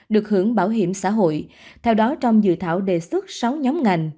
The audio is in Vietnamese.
được hưởng bảo hiểm xã hội theo đó trong dự thảo đề xuất sáu nhóm ngành